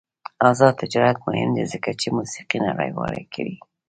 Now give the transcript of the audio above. آزاد تجارت مهم دی ځکه چې موسیقي نړیواله کوي.